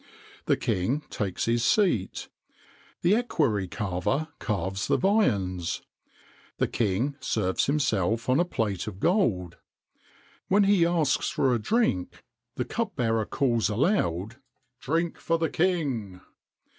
The king takes his seat. The equerry carver carves the viands. The king serves himself on a plate of gold. When he asks for drink, the cup bearer calls aloud: "Drink for the king!"